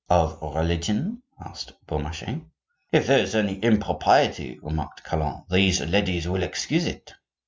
"Of religion?" asked Beaumarchais. "If there is any impropriety," remarked Calonne, "these ladies will excuse it."